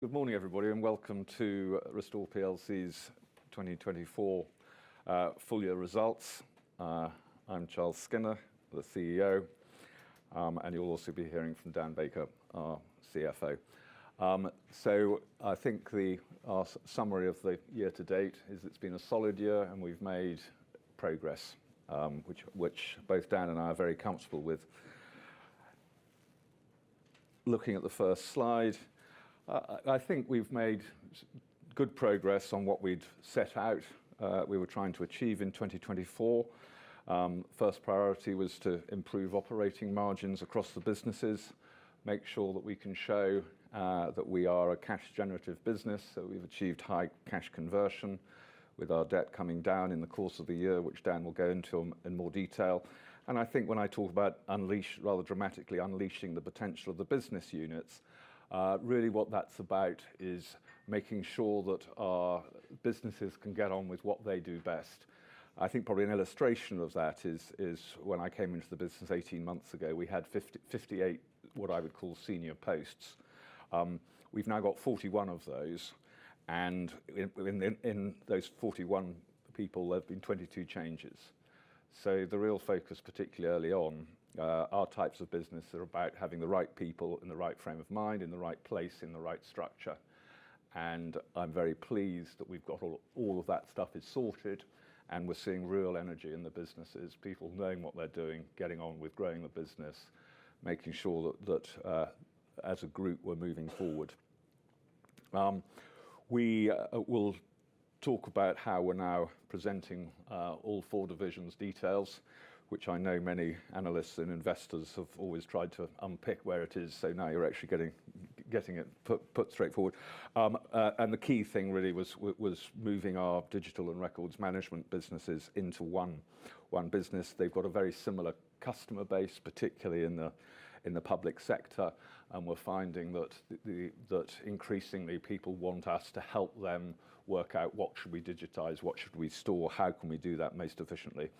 Good morning, everybody, and welcome to Restore Plc's 2024 full-year results. I'm Charles Skinner, the CEO, and you'll also be hearing from Dan Baker, our CFO. I think our summary of the year to date is it's been a solid year, and we've made progress, which both Dan and I are very comfortable with. Looking at the first slide, I think we've made good progress on what we'd set out we were trying to achieve in 2024. First priority was to improve operating margins across the businesses, make sure that we can show that we are a cash-generative business, that we've achieved high cash conversion with our debt coming down in the course of the year, which Dan will go into in more detail. I think when I talk about rather dramatically unleashing the potential of the business units, really what that's about is making sure that our businesses can get on with what they do best. I think probably an illustration of that is when I came into the business 18 months ago, we had 58, what I would call, senior posts. We've now got 41 of those, and in those 41 people, there have been 22 changes. The real focus, particularly early on, are types of business that are about having the right people in the right frame of mind, in the right place, in the right structure. I'm very pleased that all of that stuff is sorted, and we're seeing real energy in the businesses, people knowing what they're doing, getting on with growing the business, making sure that as a group we're moving forward. We will talk about how we're now presenting all four divisions' details, which I know many analysts and investors have always tried to unpick where it is, so now you're actually getting it put straightforward. The key thing really was moving our digital and records management businesses into one business. They've got a very similar customer base, particularly in the public sector, and we're finding that increasingly people want us to help them work out what should we digitize, what should we store, how can we do that most efficiently.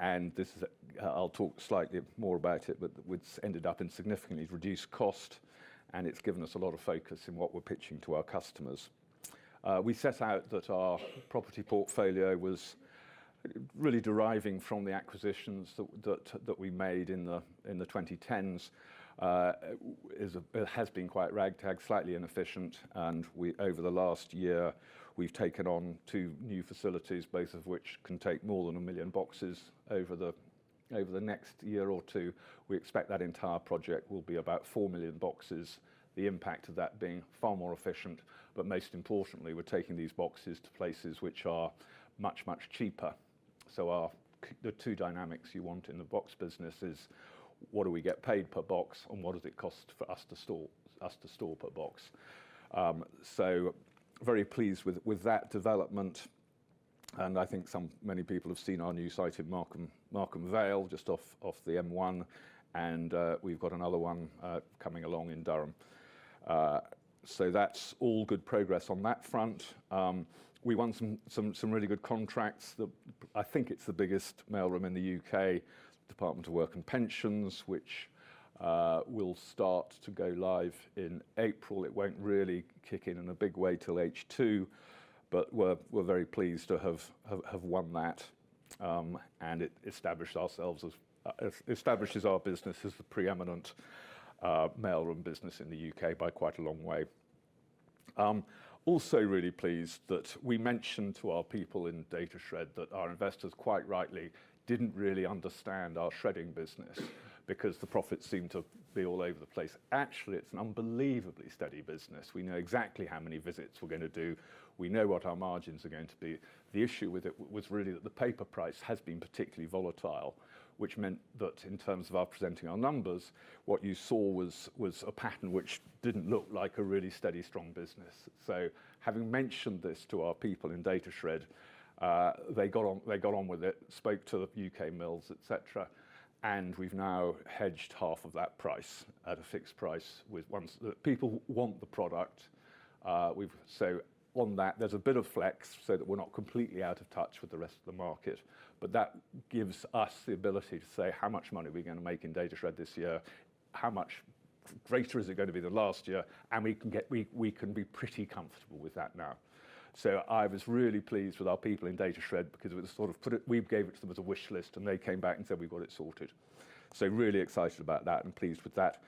I'll talk slightly more about it, but it's ended up in significantly reduced cost, and it's given us a lot of focus in what we're pitching to our customers. We set out that our property portfolio was really deriving from the acquisitions that we made in the 2010s. It has been quite ragtag, slightly inefficient, and over the last year, we've taken on two new facilities, both of which can take more than 1 million boxes over the next year or two. We expect that entire project will be about 4 million boxes, the impact of that being far more efficient, but most importantly, we're taking these boxes to places which are much, much cheaper. The two dynamics you want in the box business is, what do we get paid per box, and what does it cost for us to store per box? Very pleased with that development, and I think many people have seen our new site in Markham Vale, just off the M1, and we've got another one coming along in Durham. That is all good progress on that front. We won some really good contracts. I think it's the biggest mailroom in the U.K., Department of Work and Pensions, which will start to go live in April. It won't really kick in in a big way till H2, but we're very pleased to have won that, and it establishes our business as the preeminent mailroom business in the U.K. by quite a long way. Also really pleased that we mentioned to our people in data shred that our investors quite rightly didn't really understand our shredding business because the profits seem to be all over the place. Actually, it's an unbelievably steady business. We know exactly how many visits we're going to do. We know what our margins are going to be. The issue with it was really that the paper price has been particularly volatile, which meant that in terms of our presenting our numbers, what you saw was a pattern which did not look like a really steady, strong business. Having mentioned this to our people in data shred, they got on with it, spoke to U.K. mills, etc., and we have now hedged half of that price at a fixed price. People want the product. On that, there is a bit of flex so that we are not completely out of touch with the rest of the market, but that gives us the ability to say how much money we are going to make in data shred this year, how much greater it is going to be than last year, and we can be pretty comfortable with that now. I was really pleased with our people in data shred because we gave it to them as a wish list, and they came back and said, "We've got it sorted." Really excited about that and pleased with that.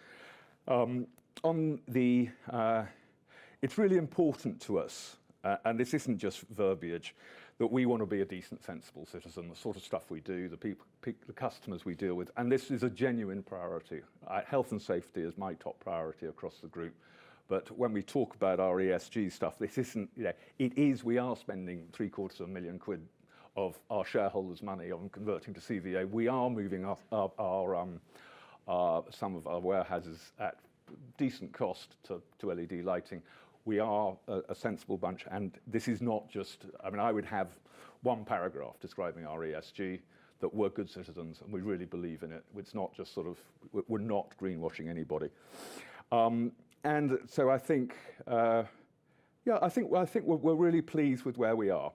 It's really important to us, and this isn't just verbiage, that we want to be a decent, sensible citizen, the sort of stuff we do, the customers we deal with, and this is a genuine priority. Health and safety is my top priority across the group, but when we talk about our ESG stuff, it is we are spending 750,000 quid of our shareholders' money on converting to CVA. We are moving some of our warehouses at decent cost to LED lighting. We are a sensible bunch, and this is not just I would have one paragraph describing our ESG that we're good citizens and we really believe in it. It's not just sort of we're not greenwashing anybody. I think, yeah, I think we're really pleased with where we are,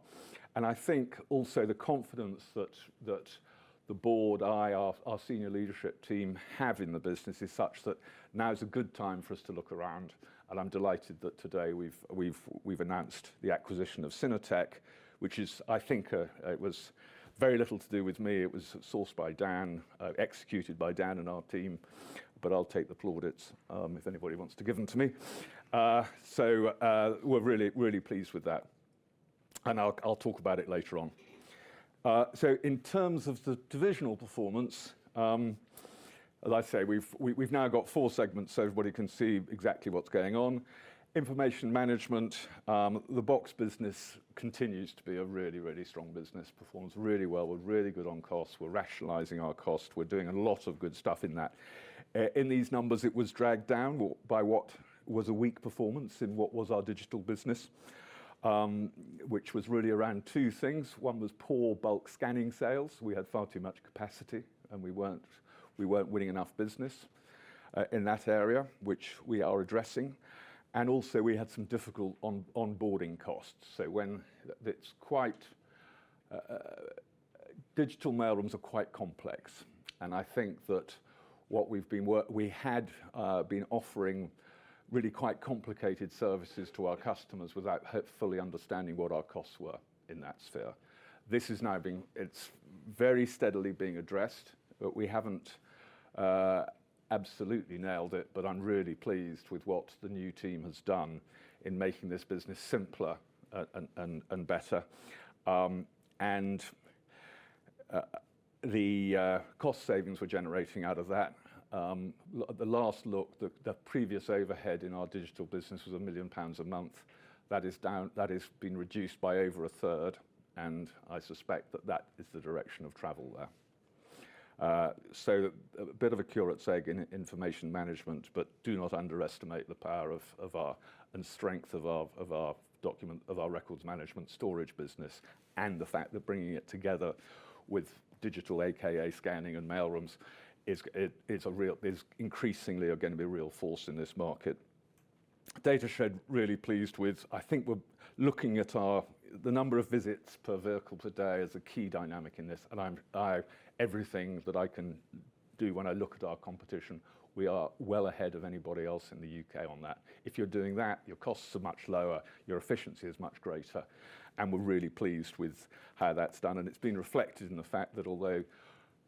and I think also the confidence that the board, I, our senior leadership team have in the business is such that now is a good time for us to look around, and I'm delighted that today we've announced the acquisition of Synertec, which is, I think, it was very little to do with me. It was sourced by Dan, executed by Dan and our team, but I'll take the plaudits if anybody wants to give them to me. We're really, really pleased with that, and I'll talk about it later on. In terms of the divisional performance, as I say, we've now got four segments so everybody can see exactly what's going on. Information management, the box business continues to be a really, really strong business. Performs really well. We're really good on costs. We're rationalizing our costs. We're doing a lot of good stuff in that. In these numbers, it was dragged down by what was a weak performance in what was our digital business, which was really around two things. One was poor bulk scanning sales. We had far too much capacity, and we weren't winning enough business in that area, which we are addressing. Also, we had some difficult onboarding costs. Digital mailrooms are quite complex, and I think that what we've been we had been offering really quite complicated services to our customers without fully understanding what our costs were in that sphere. This is now being, it's very steadily being addressed. We haven't absolutely nailed it, but I'm really pleased with what the new team has done in making this business simpler and better. The cost savings we're generating out of that, the last look, the previous overhead in our digital business was 1 million pounds a month. That has been reduced by over a third, and I suspect that that is the direction of travel there. A bit of a curate's egg in information management, but do not underestimate the power and strength of our records management storage business and the fact that bringing it together with digital, aka scanning and mailrooms, is increasingly going to be a real force in this market. Data shred, really pleased with. I think we're looking at the number of visits per vehicle per day as a key dynamic in this, and everything that I can do when I look at our competition, we are well ahead of anybody else in the U.K. on that. If you're doing that, your costs are much lower, your efficiency is much greater, and we're really pleased with how that's done. It has been reflected in the fact that although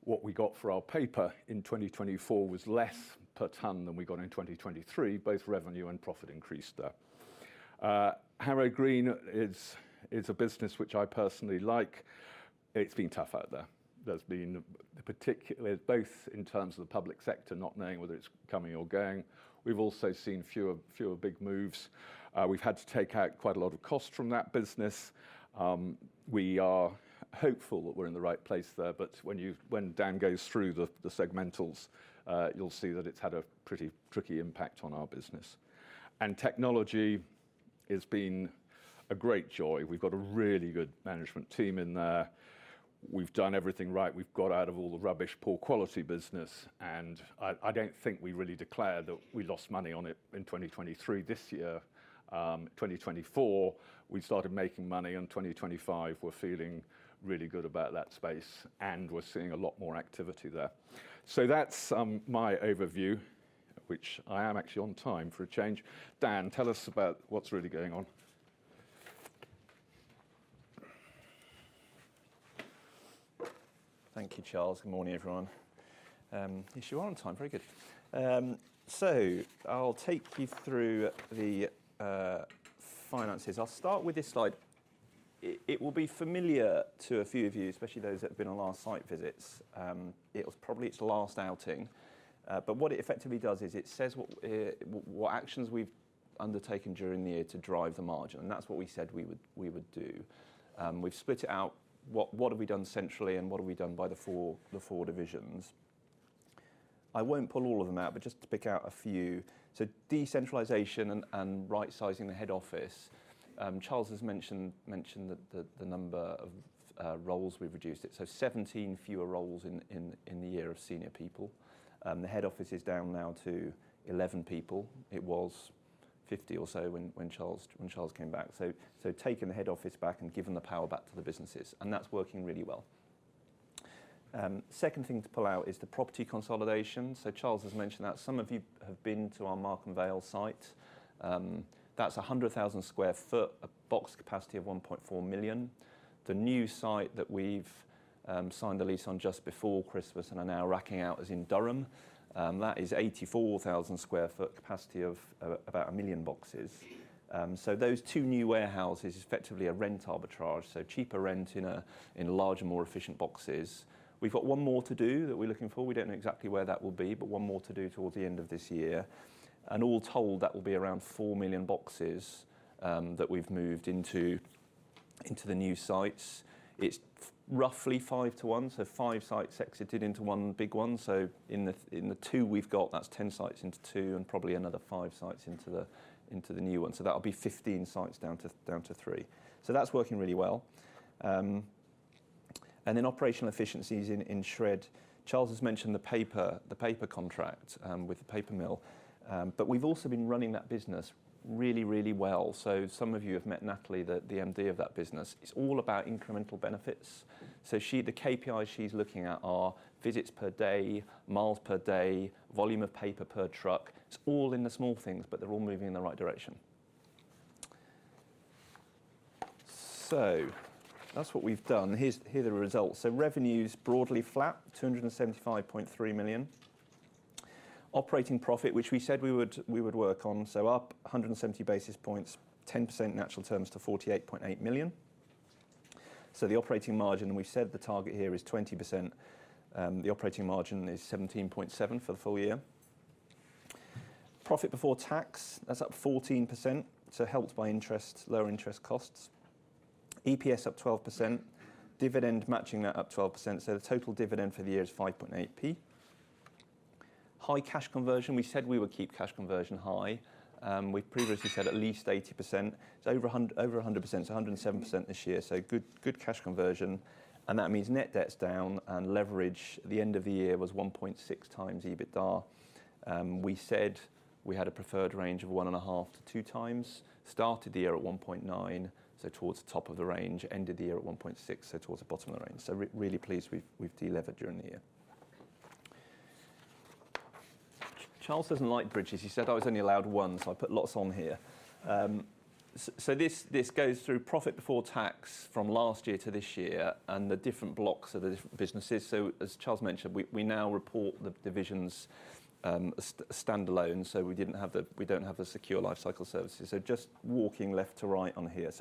what we got for our paper in 2024 was less per tonne than we got in 2023, both revenue and profit increased there. Harrow Green is a business which I personally like. It's been tough out there. There's been particularly both in terms of the public sector not knowing whether it's coming or going. We've also seen fewer big moves. We've had to take out quite a lot of cost from that business. We are hopeful that we're in the right place there, but when Dan goes through the segmentals, you'll see that it's had a pretty tricky impact on our business. Technology has been a great joy. We've got a really good management team in there. We've done everything right. We've got out of all the rubbish poor quality business, and I don't think we really declared that we lost money on it in 2023. This year, 2024, we started making money, and 2025, we're feeling really good about that space, and we're seeing a lot more activity there. That's my overview, which I am actually on time for a change. Dan, tell us about what's really going on. Thank you, Charles. Good morning, everyone. Yes, you are on time. Very good. I'll take you through the finances. I'll start with this slide. It will be familiar to a few of you, especially those that have been on our site visits. It was probably its last outing, but what it effectively does is it says what actions we've undertaken during the year to drive the margin, and that's what we said we would do. We've split it out. What have we done centrally and what have we done by the four divisions? I won't pull all of them out, but just to pick out a few. Decentralisation and right-sizing the head office. Charles has mentioned the number of roles we've reduced. Seventeen fewer roles in the year of senior people. The head office is down now to 11 people. It was 50 or so when Charles came back. Taking the head office back and giving the power back to the businesses, and that's working really well. Second thing to pull out is the property consolidation. Charles has mentioned that. Some of you have been to our Markham Vale site. That's 100,000 sq ft, a box capacity of 1.4 million. The new site that we've signed a lease on just before Christmas and are now racking out is in Durham. That is 84,000 sq ft, capacity of about 1 million boxes. Those two new warehouses is effectively a rent arbitrage, so cheaper rent in larger, more efficient boxes. We've got one more to do that we're looking for. We don't know exactly where that will be, but one more to do towards the end of this year. All told, that will be around 4 million boxes that we've moved into the new sites. It's roughly five to one, so five sites exited into one big one. In the two we've got, that's 10 sites into two and probably another five sites into the new one. That'll be 15 sites down to three. That's working really well. Operational efficiencies in shred. Charles has mentioned the paper contract with the paper mill, but we've also been running that business really, really well. Some of you have met Natalie, the MD of that business. It's all about incremental benefits. The KPIs she's looking at are visits per day, mi per day, volume of paper per truck. It's all in the small things, but they're all moving in the right direction. That's what we've done. Here are the results. Revenues broadly flat, 275.3 million. Operating profit, which we said we would work on, up 170 basis points, 10% in actual terms to 48.8 million. The operating margin, we've said the target here is 20%. The operating margin is 17.7% for the full year. Profit before tax, that's up 14%, helped by lower interest costs. EPS up 12%. Dividend matching that, up 12%. The total dividend for the year is 0.058. High cash conversion. We said we would keep cash conversion high. We've previously said at least 80%. It's over 100%, so 107% this year. Good cash conversion, and that means net debt's down and leverage. The end of the year was 1.6 times EBITDA. We said we had a preferred range of 1.5-2 times. Started the year at 1.9, so towards the top of the range. Ended the year at 1.6, so towards the bottom of the range. Really pleased we've delivered during the year. Charles doesn't like bridges. He said I was only allowed one, so I put lots on here. This goes through profit before tax from last year to this year and the different blocks of the different businesses. As Charles mentioned, we now report the divisions standalone, so we don't have the secure life cycle services. Just walking left to right on here.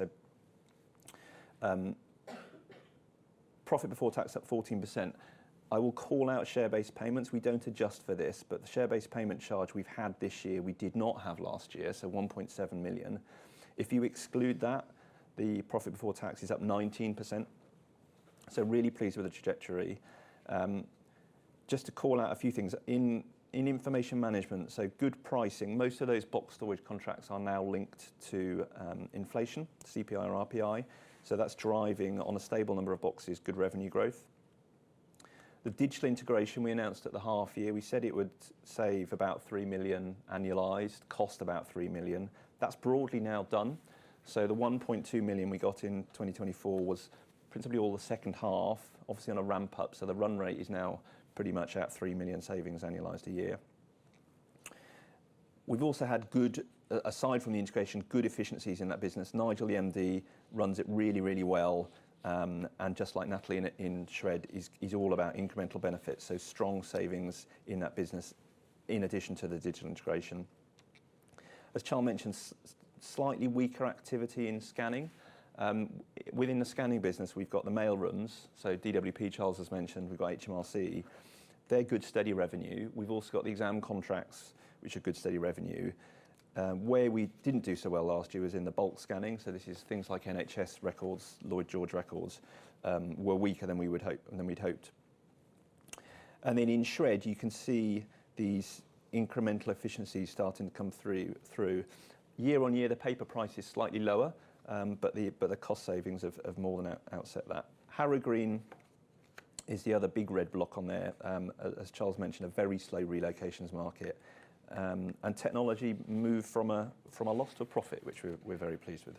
Profit before tax up 14%. I will call out share-based payments. We don't adjust for this, but the share-based payment charge we've had this year, we did not have last year, so 1.7 million. If you exclude that, the profit before tax is up 19%. Really pleased with the trajectory. Just to call out a few things. In information management, good pricing. Most of those box storage contracts are now linked to inflation, CPI or RPI. That is driving on a stable number of boxes, good revenue growth. The digital integration we announced at the half year, we said it would save about 3 million annualized, cost about 3 million. That is broadly now done. The 1.2 million we got in 2024 was principally all the second half, obviously on a ramp up. The run rate is now pretty much at 3 million savings annualized a year. We have also had, aside from the integration, good efficiencies in that business. Nigel, the MD, runs it really, really well. Just like Natalie in shred, he is all about incremental benefits. Strong savings in that business in addition to the digital integration. As Charles mentioned, slightly weaker activity in scanning. Within the scanning business, we have got the mailrooms. DWP, as Charles has mentioned, we've got HMRC. They're good steady revenue. We've also got the exam contracts, which are good steady revenue. Where we didn't do so well last year was in the bulk scanning. This is things like NHS records, Lloyd George records were weaker than we'd hoped. In shred, you can see these incremental efficiencies starting to come through. Year on year, the paper price is slightly lower, but the cost savings have more than offset that. Harrow Green is the other big red block on there. As Charles mentioned, a very slow relocations market. Technology moved from a loss to a profit, which we're very pleased with.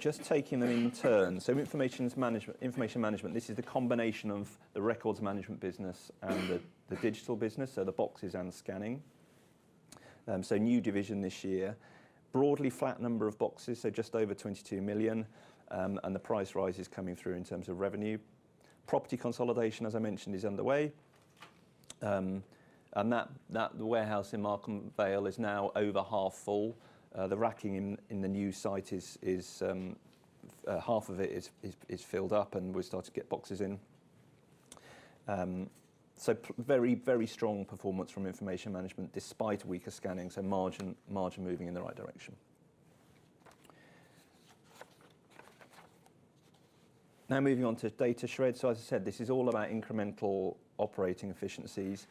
Just taking them in turn. Information management, this is the combination of the records management business and the digital business, so the boxes and scanning. New division this year. Broadly flat number of boxes, just over 22 million. The price rise is coming through in terms of revenue. Property consolidation, as I mentioned, is underway. The warehouse in Markham Vale is now over half full. The racking in the new site is half of it filled up, and we're starting to get boxes in. Very, very strong performance from information management despite weaker scanning, so margin moving in the right direction. Now moving on to data shred. As I said, this is all about incremental operating efficiencies.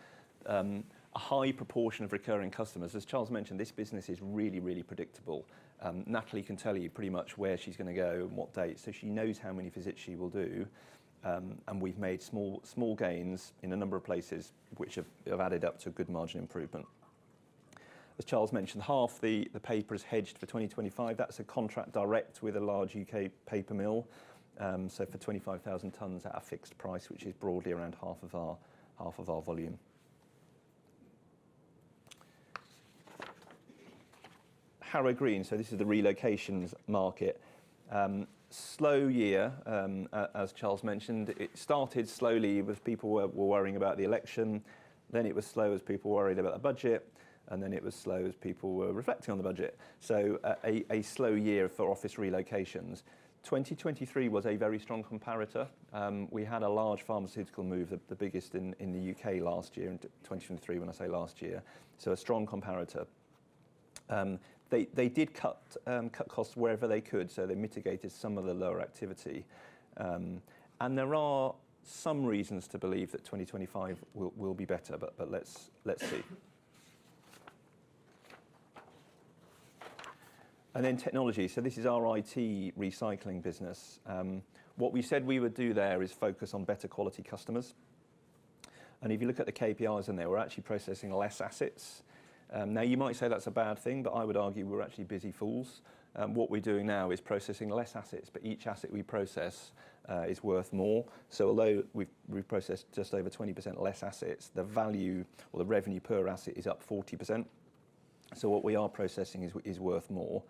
A high proportion of recurring customers. As Charles mentioned, this business is really, really predictable. Natalie can tell you pretty much where she's going to go and what date, so she knows how many visits she will do. We've made small gains in a number of places which have added up to good margin improvement. As Charles mentioned, half the paper is hedged for 2025. That is a contract direct with a large U.K. paper mill. For 25,000 tonnes at a fixed price, which is broadly around half of our volume. Harrow Green, this is the relocations market. Slow year, as Charles mentioned. It started slowly with people worrying about the election. It was slow as people worried about the budget, and it was slow as people were reflecting on the budget. A slow year for office relocations. 2023 was a very strong comparator. We had a large pharmaceutical move, the biggest in the U.K. in 2023, when I say last year. A strong comparator. They did cut costs wherever they could, so they mitigated some of the lower activity. There are some reasons to believe that 2025 will be better, but let's see. Then technology. This is our IT recycling business. What we said we would do there is focus on better quality customers. If you look at the KPIs in there, we're actually processing fewer assets. You might say that's a bad thing, but I would argue we're actually busy fools. What we're doing now is processing fewer assets, but each asset we process is worth more. Although we've processed just over 20% fewer assets, the value or the revenue per asset is up 40%. What we are processing is worth more.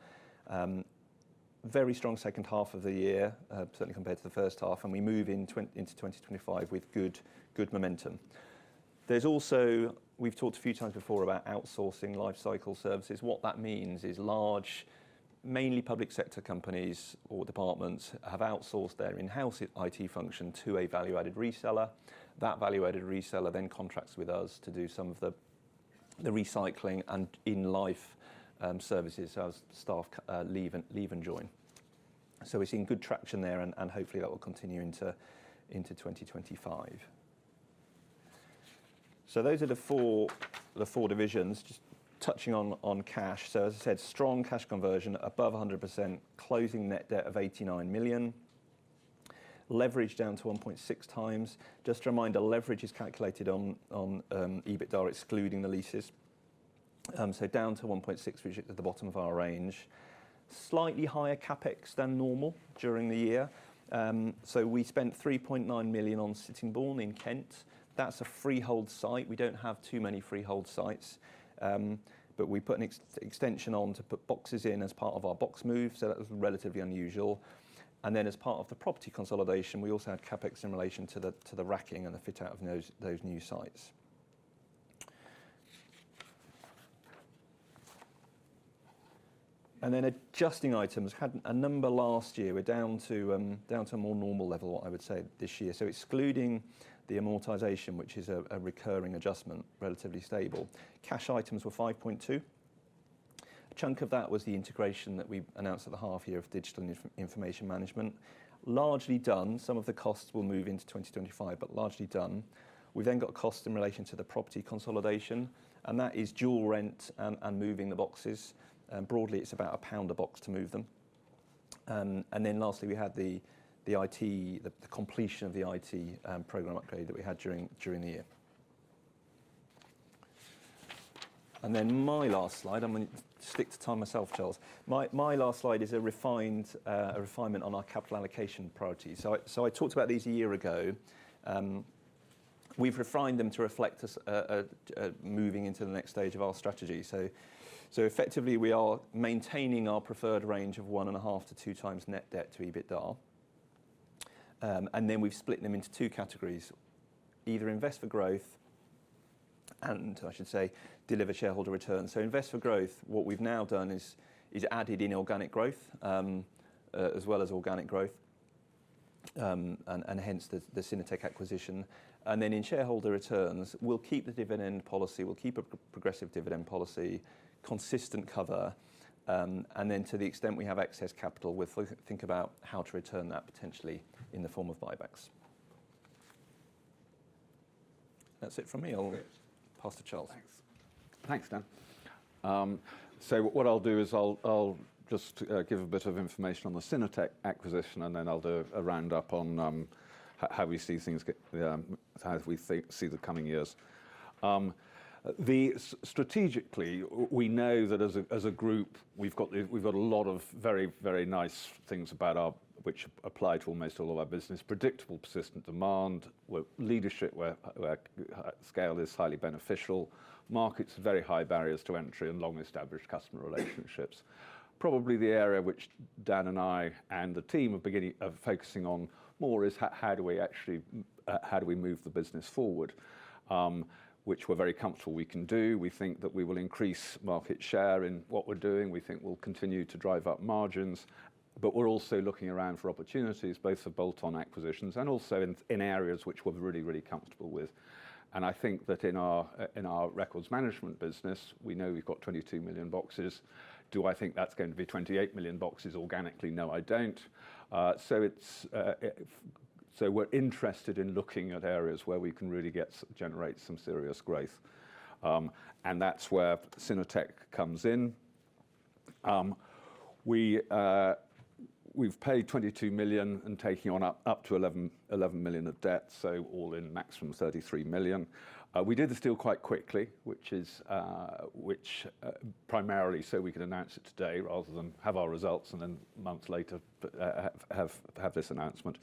Very strong second half of the year, certainly compared to the first half, and we move into 2025 with good momentum. We've talked a few times before about outsourcing life cycle services. What that means is large, mainly public sector companies or departments have outsourced their in-house IT function to a value-added reseller. That value-added reseller then contracts with us to do some of the recycling and in-life services as staff leave and join. We are seeing good traction there, and hopefully that will continue into 2025. Those are the four divisions. Just touching on cash. As I said, strong cash conversion, above 100%, closing net debt of 89 million. Leverage down to 1.6 times. Just to remind, leverage is calculated on EBITDA excluding the leases. Down to 1.6, which is at the bottom of our range. Slightly higher CapEx than normal during the year. We spent 3.9 million on Sittingbourne in Kent. That is a freehold site. We do not have too many freehold sites, but we put an extension on to put boxes in as part of our box move, so that was relatively unusual. As part of the property consolidation, we also had CapEx in relation to the racking and the fit out of those new sites. Adjusting items had a number last year. We are down to a more normal level, I would say, this year. Excluding the amortization, which is a recurring adjustment, relatively stable. Cash items were 5.2 million. A chunk of that was the integration that we announced at the half year of digital information management. Largely done. Some of the costs will move into 2025, but largely done. We then got costs in relation to the property consolidation, and that is dual rent and moving the boxes. Broadly, it is about GBP 1 a box to move them. Lastly, we had the completion of the IT program upgrade that we had during the year. My last slide. I'm going to stick to time myself, Charles. My last slide is a refinement on our capital allocation priorities. I talked about these a year ago. We've refined them to reflect us moving into the next stage of our strategy. Effectively, we are maintaining our preferred range of 1.5-2 times net debt to EBITDA. We've split them into two categories: either invest for growth and, I should say, deliver shareholder return. Invest for growth, what we've now done is added in organic growth as well as organic growth, and hence the Synertec acquisition. In shareholder returns, we'll keep the dividend policy. We'll keep a progressive dividend policy, consistent cover. To the extent we have excess capital, we'll think about how to return that potentially in the form of buybacks. That's it from me. I'll pass to Charles. Thanks, Dan. What I'll do is I'll just give a bit of information on the Synertec acquisition, and then I'll do a roundup on how we see things get, how we see the coming years. Strategically, we know that as a group, we've got a lot of very, very nice things about our, which apply to almost all of our business. Predictable, persistent demand. Leadership where scale is highly beneficial. Markets, very high barriers to entry and long-established customer relationships. Probably the area which Dan and I and the team are focusing on more is how do we actually, how do we move the business forward, which we're very comfortable we can do. We think that we will increase market share in what we're doing. We think we'll continue to drive up margins. We are also looking around for opportunities, both for bolt-on acquisitions and in areas which we are really, really comfortable with. I think that in our records management business, we know we have 22 million boxes. Do I think that is going to be 28 million boxes organically? No, I do not. We are interested in looking at areas where we can really generate some serious growth. That is where Synertec comes in. We have paid 22 million and taken on up to 11 million of debt, so all in, maximum 33 million. We did this deal quite quickly, primarily so we could announce it today rather than have our results and then months later have this announcement.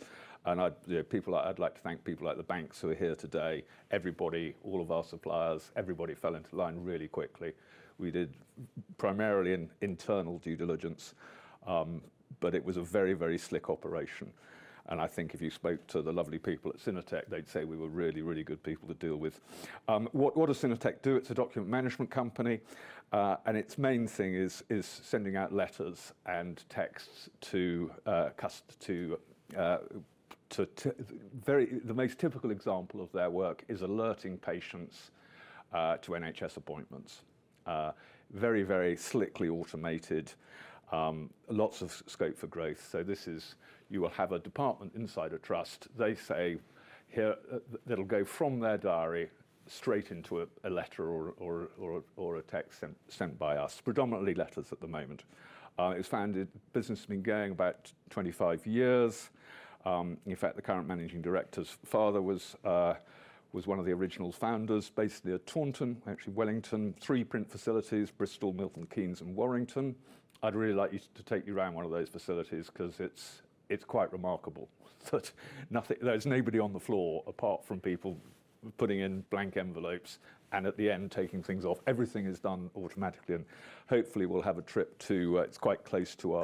I would like to thank people at the banks who are here today. Everybody, all of our suppliers, everybody fell into line really quickly. We did primarily internal due diligence, but it was a very, very slick operation. I think if you spoke to the lovely people at Synertec, they'd say we were really, really good people to deal with. What does Synertec do? It's a document management company. Its main thing is sending out letters and texts to the most typical example of their work is alerting patients to NHS appointments. Very, very slickly automated. Lots of scope for growth. You will have a department inside a trust. They say they'll go from their diary straight into a letter or a text sent by us. Predominantly letters at the moment. It was founded business has been going about 25 years. In fact, the current Managing Director's father was one of the original founders, based near Taunton, actually Wellington. Three print facilities, Bristol, Milton Keynes, and Warrington. I'd really like to take you around one of those facilities because it's quite remarkable. There's nobody on the floor apart from people putting in blank envelopes and at the end taking things off. Everything is done automatically. Hopefully we'll have a trip to, it's quite close to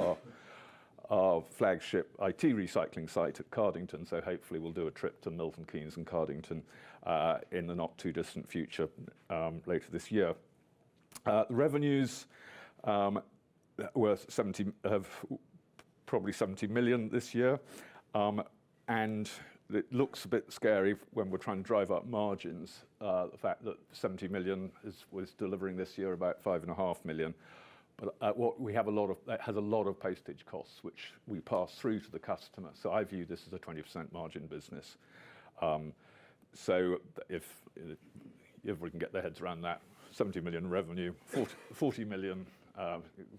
our flagship IT recycling site at Cardington. Hopefully we'll do a trip to Milton Keynes and Cardington in the not too distant future later this year. Revenues were probably 70 million this year. It looks a bit scary when we're trying to drive up margins. The fact that 70 million was delivering this year about 5.5 million. We have a lot of, it has a lot of postage costs, which we pass through to the customer. I view this as a 20% margin business. If everyone can get their heads around that, 70 million revenue, 40 million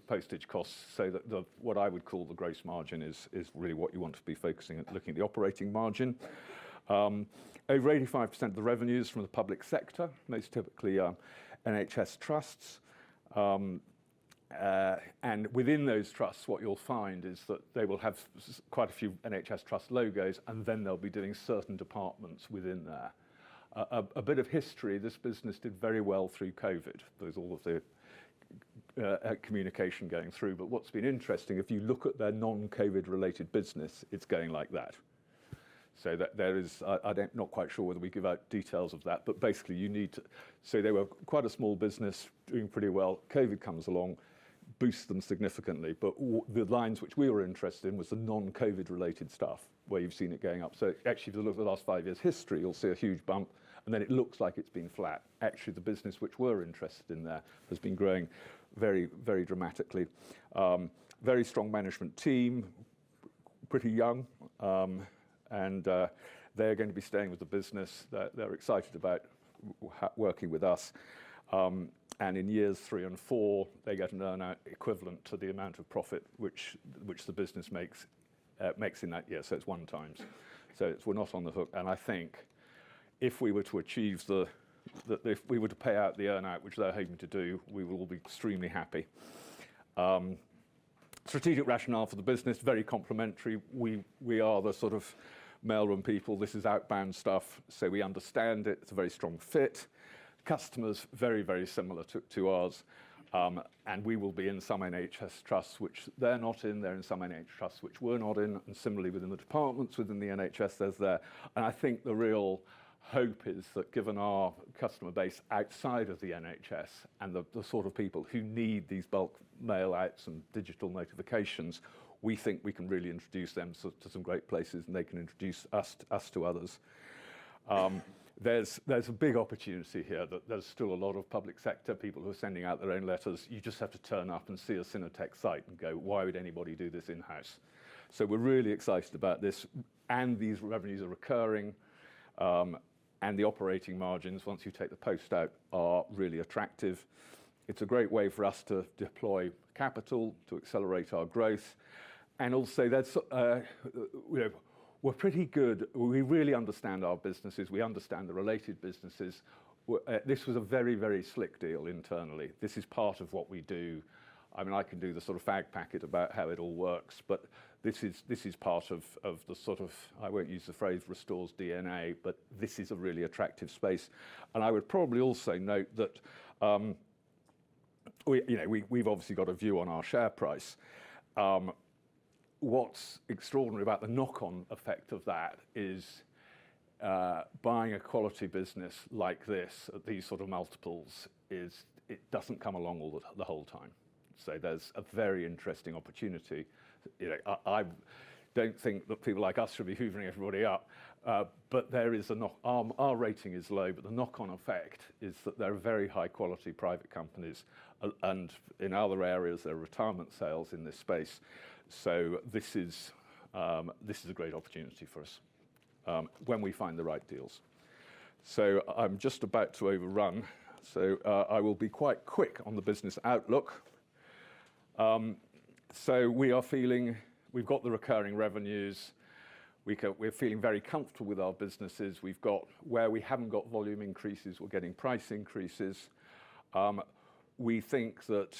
postage costs. What I would call the gross margin is really what you want to be focusing on, looking at the operating margin. Over 85% of the revenue is from the public sector, most typically NHS trusts. Within those trusts, what you'll find is that they will have quite a few NHS trust logos, and then they'll be doing certain departments within there. A bit of history, this business did very well through COVID. There's all of the communication going through. What's been interesting, if you look at their non-COVID related business, it's going like that. There is, I'm not quite sure whether we give out details of that, but basically you need to, so they were quite a small business doing pretty well. COVID comes along, boosts them significantly. The lines which we were interested in was the non-COVID related stuff where you've seen it going up. Actually, if you look at the last five years history, you'll see a huge bump, and then it looks like it's been flat. Actually, the business which we're interested in there has been growing very, very dramatically. Very strong management team, pretty young. They're going to be staying with the business. They're excited about working with us. In years three and four, they get an earnout equivalent to the amount of profit which the business makes in that year. It's one times. We're not on the hook. I think if we were to achieve the, if we were to pay out the earnout, which they're hoping to do, we will be extremely happy. Strategic rationale for the business, very complimentary. We are the sort of mailroom people. This is outbound stuff, so we understand it. It's a very strong fit. Customers very, very similar to ours. We will be in some NHS trusts, which they're not in. They're in some NHS trusts, which we're not in. Similarly, within the departments, within the NHS, there's there. I think the real hope is that given our customer base outside of the NHS and the sort of people who need these bulk mail outs and digital notifications, we think we can really introduce them to some great places, and they can introduce us to others. There's a big opportunity here. There's still a lot of public sector people who are sending out their own letters. You just have to turn up and see a Synertec site and go, why would anybody do this in-house? We are really excited about this. These revenues are recurring. The operating margins, once you take the post out, are really attractive. It is a great way for us to deploy capital, to accelerate our growth. Also, we are pretty good. We really understand our businesses. We understand the related businesses. This was a very, very slick deal internally. This is part of what we do. I mean, I can do the sort of fact packet about how it all works, but this is part of the sort of, I will not use the phrase Restore's DNA, but this is a really attractive space. I would probably also note that we have obviously got a view on our share price. What is extraordinary about the knock-on effect of that is buying a quality business like this, these sort of multiples, it does not come along the whole time. There is a very interesting opportunity. I don't think that people like us should be hoovering everybody up, but there is a knock-on. Our rating is low, but the knock-on effect is that they're very high quality private companies. In other areas, there are retirement sales in this space. This is a great opportunity for us when we find the right deals. I'm just about to overrun. I will be quite quick on the business outlook. We are feeling, we've got the recurring revenues. We're feeling very comfortable with our businesses. Where we haven't got volume increases, we're getting price increases. We think that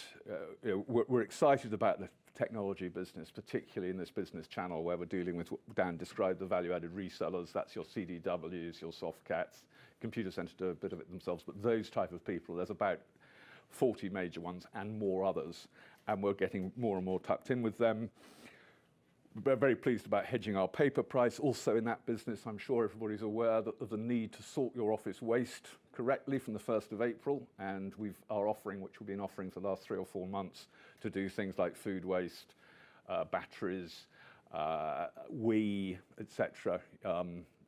we're excited about the technology business, particularly in this business channel where we're dealing with, what Dan described, the value-added resellers. That's your CDWs, your Softcats, Computer Centre do a bit of it themselves, but those type of people, there's about 40 major ones and more others. We're getting more and more tucked in with them. We're very pleased about hedging our paper price. Also in that business, I'm sure everybody's aware of the need to sort your office waste correctly from the 1st of April. We are offering, which will be an offering for the last three or four months, to do things like food waste, batteries, wheat, etc.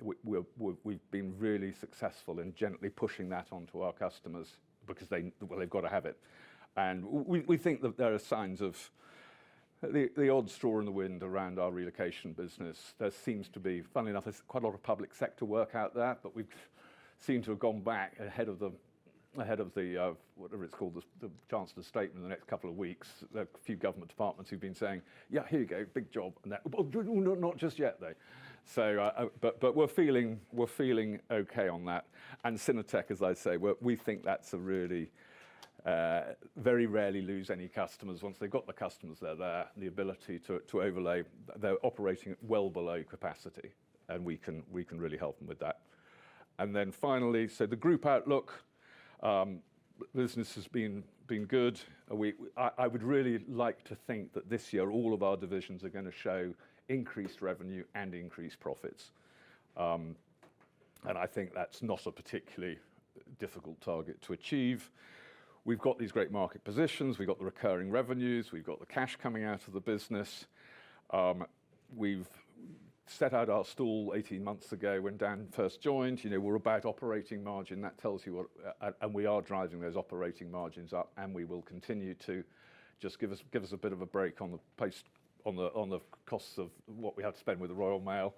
We've been really successful in gently pushing that onto our customers because they've got to have it. We think that there are signs of the odd straw in the wind around our relocation business. There seems to be, funny enough, there's quite a lot of public sector work out there, but we've seemed to have gone back ahead of the, whatever it's called, the Chancellor's statement in the next couple of weeks. There are a few government departments who've been saying, yeah, here you go, big job. Not just yet, though. We're feeling okay on that. And Synertec, as I say, we think that's a really, very rarely lose any customers. Once they've got the customers, they're there. The ability to overlay, they're operating well below capacity, and we can really help them with that. Finally, the group outlook, business has been good. I would really like to think that this year, all of our divisions are going to show increased revenue and increased profits. I think that's not a particularly difficult target to achieve. We've got these great market positions. We've got the recurring revenues. We've got the cash coming out of the business. We set out our stall eighteen months ago when Dan first joined. We're about operating margin. That tells you what, and we are driving those operating margins up, and we will continue to just give us a bit of a break on the costs of what we had to spend with the Royal Mail.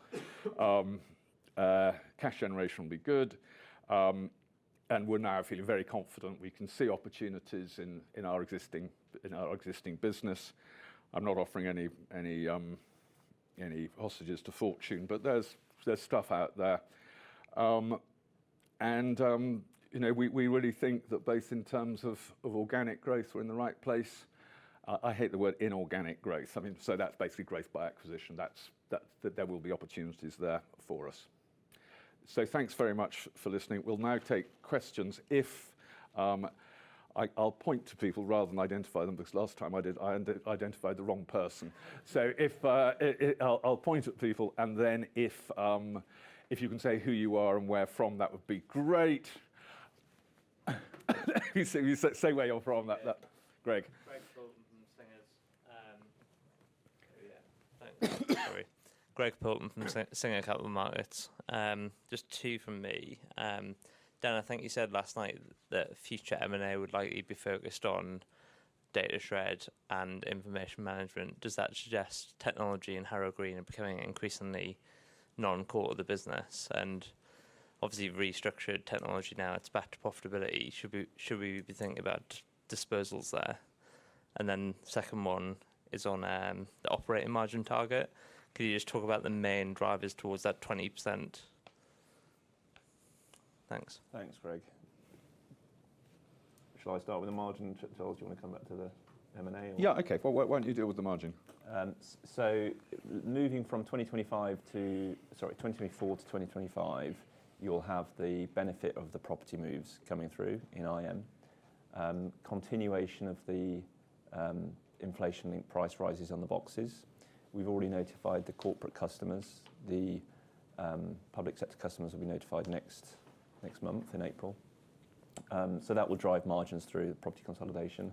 Cash generation will be good. We are now feeling very confident. We can see opportunities in our existing business. I'm not offering any hostages to fortune, but there's stuff out there. We really think that both in terms of organic growth, we're in the right place. I hate the word inorganic growth. I mean, that's basically growth by acquisition. There will be opportunities there for us. Thanks very much for listening. We'll now take questions. I'll point to people rather than identify them because last time I did, I identified the wrong person. I'll point at people, and then if you can say who you are and where from, that would be great. Say where you're from, Greg. Greg Poulton from Singers. Yeah, thanks. Greg Poulton from Singer Capital Markets. Just two from me. Dan, I think you said last night that future M&A would likely be focused on data shred and information management. Does that suggest technology and Harrow Green are becoming increasingly non-core of the business? Obviously, restructured technology now, it's back to profitability. Should we be thinking about disposals there? The second one is on the operating margin target. Can you just talk about the main drivers towards that 20%? Thanks. Thanks, Greg. Shall I start with the margin? Charles, do you want to come back to the M&A? Yeah, okay. Why don't you deal with the margin? Moving from 2024 to 2025, you'll have the benefit of the property moves coming through in IM. Continuation of the inflation link price rises on the boxes. We've already notified the corporate customers. The public sector customers will be notified next month in April. That will drive margins through the property consolidation.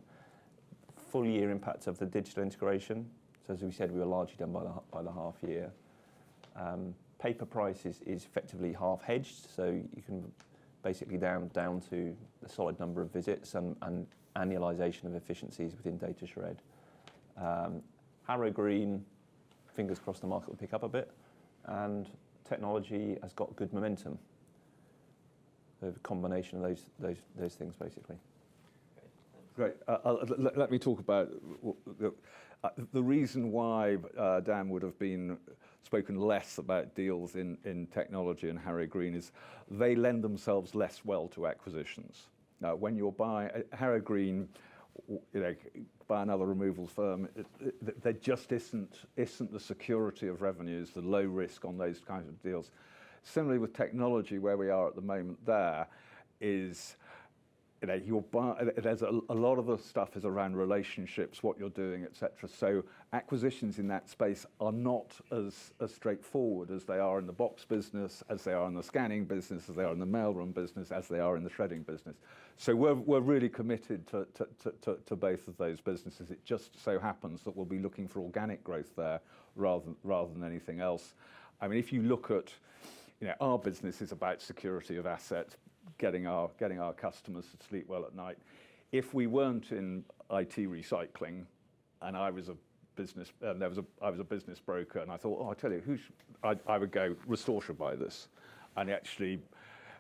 Full year impact of the digital integration. As we said, we were largely done by the half year. Paper prices is effectively half hedged. You can basically down to a solid number of visits and annualization of efficiencies within data shred. Harrow Green, fingers crossed the market will pick up a bit. Technology has got good momentum. The combination of those things, basically. Great. Let me talk about the reason why Dan would have spoken less about deals in technology and Harrow Green is they lend themselves less well to acquisitions. When you're buying Harrow Green, buy another removals firm, there just isn't the security of revenues, the low risk on those kinds of deals. Similarly, with technology, where we are at the moment there is a lot of the stuff is around relationships, what you're doing, etc. Acquisitions in that space are not as straightforward as they are in the box business, as they are in the scanning business, as they are in the mailroom business, as they are in the shredding business. We are really committed to both of those businesses. It just so happens that we'll be looking for organic growth there rather than anything else. I mean, if you look at our business, it is about security of assets, getting our customers to sleep well at night. If we were not in IT recycling and I was a business broker and I thought, oh, I tell you, I would go Restore shred by this. Actually,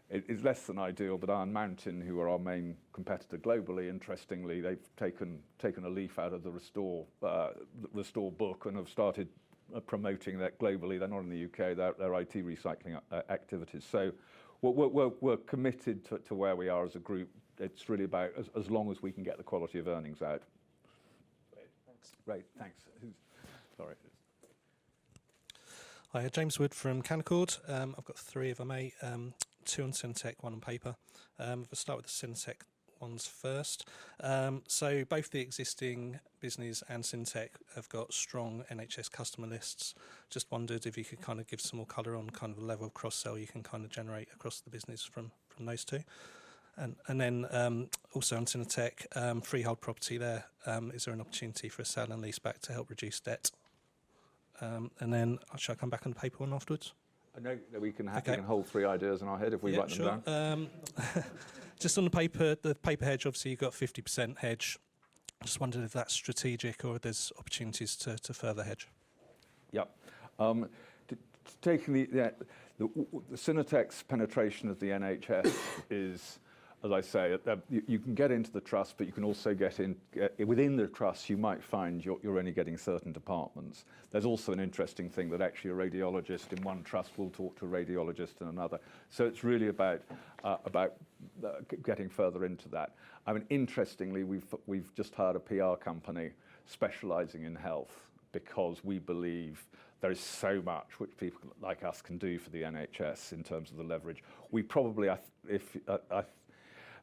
it is less than ideal, but Iron Mountain, who are our main competitor globally, interestingly, they have taken a leaf out of the Restore book and have started promoting that globally. They are not in the U.K. Their IT recycling activities. We are committed to where we are as a group. It is really about as long as we can get the quality of earnings out. Great. Thanks. Great. Thanks. Sorry. Hi, James Wood from Canaccord. I've got three if I may. Two on Synertec, one on paper. I'll start with the Synertec ones first. Both the existing business and Synertec have got strong NHS customer lists. Just wondered if you could kind of give some more color on kind of the level of cross-sale you can kind of generate across the business from those two. Also on Synertec, freehold property there. Is there an opportunity for a sale and lease back to help reduce debt? Shall I come back on the paper one afterwards? I know that we can hold three ideas in our head if we write them down. Sure. Just on the paper, the paper hedge, obviously you've got 50% hedge. Just wondering if that's strategic or if there's opportunities to further hedge. Yep. The Synertec's penetration of the NHS is, as I say, you can get into the trust, but you can also get in within the trust, you might find you're only getting certain departments. There's also an interesting thing that actually a radiologist in one trust will talk to a radiologist in another. It is really about getting further into that. I mean, interestingly, we've just hired a PR company specializing in health because we believe there is so much which people like us can do for the NHS in terms of the leverage.